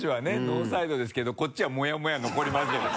ノーサイドですけどこっちはモヤモヤ残りますけど。